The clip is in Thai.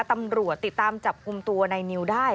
ตำรวจติดตามจับกลุ่มตัวในนิวได้